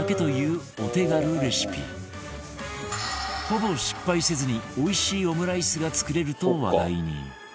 ほぼ失敗せずにおいしいオムライスが作れると話題に